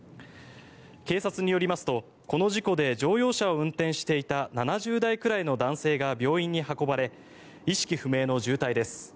警察によりますとこの事故で乗用車を運転していた７０代くらいの男性が病院に運ばれ意識不明の重体です。